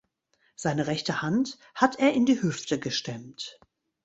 Seine rechte Hand hat er in die Hüfte gestemmt.